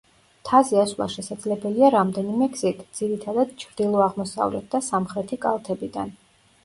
მთაზე ასვლა შესაძლებელია რამდენიმე გზით, ძირითადად ჩრდილო–აღმოსავლეთ და სამხრეთი კალთებიდან.